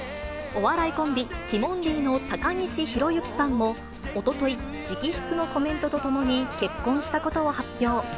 お笑いコンビ、ティモンディの高岸宏行さんもおととい、直筆のコメントと共に、結婚したことを発表。